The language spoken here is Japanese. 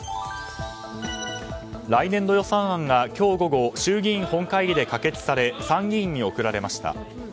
来年度予算案が今日午後衆議院本会議で可決され参議院に送られました。